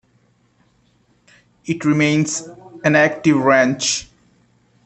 It remains an active ranch.